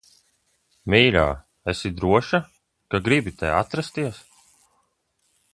Mīļā, esi droša, ka gribi te atrasties?